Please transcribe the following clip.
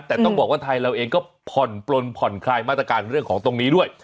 แต่ต้องบอกว่าไทยเราเองก็ผ่อนปลนผ่อนคลายมาตรการเรื่องของตรงนี้ด้วย